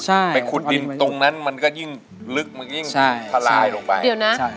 ใช่ไปขุดดินตรงนั้นมันก็ยิ่งลึกมันยิ่งใช่ทลายลงไปเดี๋ยวนะใช่